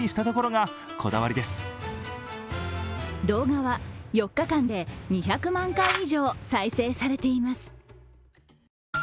動画は４日間で２００万回以上再生されています。